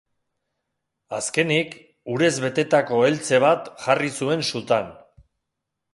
Azkenik, urez betetako eltze bat jarri zuen sutan.